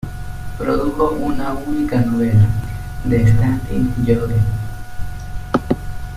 Produjo una única novela, "The Standing Joy".